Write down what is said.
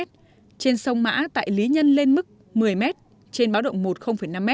trên sông mã tại lý nhân lên mức một mươi m trên báo động một năm m